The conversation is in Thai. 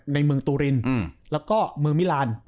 ในเมืองตูรินแล้วก็เมืองมิลาน